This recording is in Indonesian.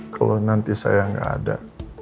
kalau nanti saya nggak ada